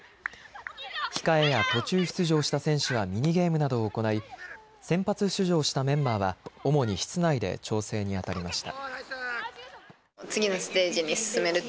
控えや途中出場した選手はミニゲームなどを行い先発出場したメンバーは主に室内で調整にあたりました。